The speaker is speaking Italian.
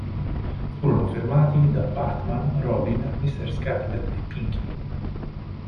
Furono fermati da Batman, Robin, Mister Scarlet e Pinky.